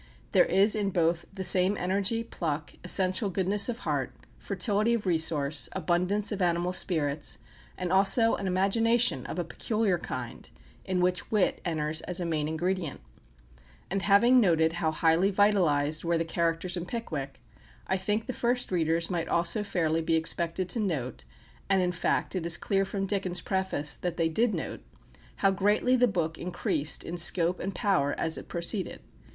There is in both the same energy, pluck, essential goodness of heart, fertility of resource, abundance of animal spirits, and also an imagination of a peculiar kind, in which wit enters as a main ingredient. And having noted how highly vitalized were the characters in "Pickwick," I think the first readers might also fairly be expected to note, and, in fact, it is clear from Dickens' preface that they did note how greatly the book increased in scope and power as it proceeded.